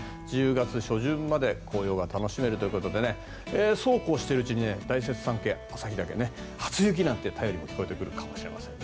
１０月初旬まで紅葉が楽しめるということでそうこうしているうちに大雪山系旭岳、初雪の便りが聞こえてくるかもしれません。